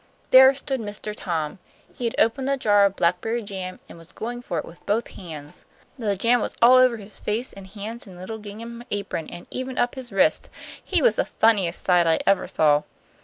There stood Mister Tom. He had opened a jar of blackberry jam, and was just going for it with both hands. The jam was all over his face and hair and little gingham apron, and even up his wrists. He was the funniest sight I ever saw."